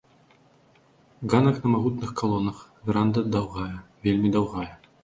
Ганак на магутных калонах, веранда даўгая, вельмі даўгая.